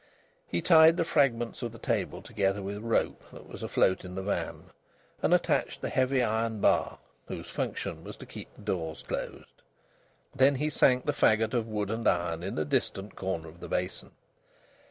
He tied the fragments of the table together with rope that was afloat in the van, and attached the heavy iron bar whose function was to keep the doors closed. Then he sank the faggot of wood and iron in a distant corner of the basin.